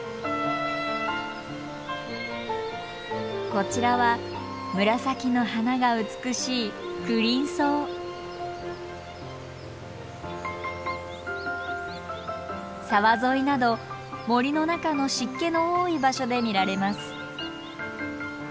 こちらは紫の花が美しい沢沿いなど森の中の湿気の多い場所で見られます。